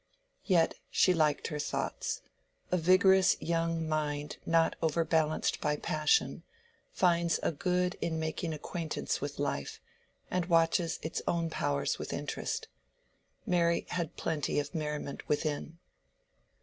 Yet she liked her thoughts: a vigorous young mind not overbalanced by passion, finds a good in making acquaintance with life, and watches its own powers with interest. Mary had plenty of merriment within.